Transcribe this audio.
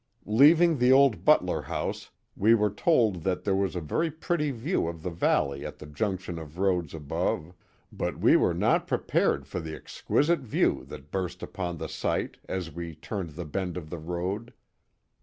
Leaving the old Kutler house, we were told that there was a very pretty view of the valley at the junction of roads above, but we were not pre pared for the exquisite view that burst upon the sight as we turned the bend of the road.